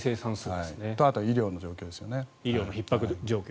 あと、医療の状況ですね。